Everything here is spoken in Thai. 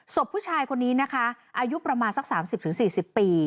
ศพผู้ชายคนนี้นะคะอายุประมาณสัก๓๐๔๐ปี